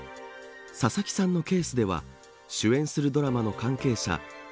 佐々木さんのケースでは主演するドラマの関係者